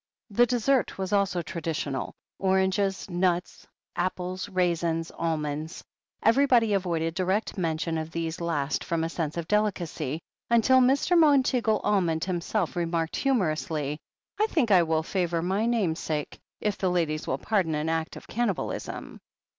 The dessert was also traditional — oranges, nuts, apples, raisins, almonds. Everybody avoided direct mention of these last from a sense of delicacy, until Mr. Monteagle Almond himself remarked humorously : *'I think I will favour my namesake, if the ladies will pardon an act of cannibalism."